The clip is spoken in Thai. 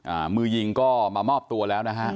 อ่ามือยิงก็มามอบตัวแล้วนะฮะ